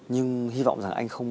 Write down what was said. nhưng hy vọng rằng